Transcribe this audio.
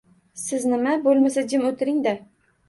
Siznimi?! Bo’lmasa jim o’tiring-da